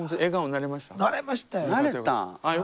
なれましたよ！